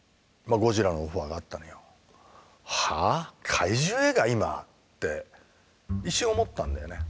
怪獣映画今？」って一瞬思ったんだよね。